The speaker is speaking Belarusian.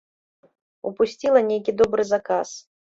Упусціла нейкі добры заказ.